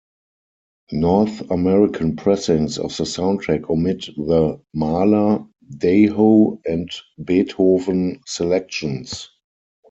North American pressings of the soundtrack omit the Mahler, Daho and Beethoven selections.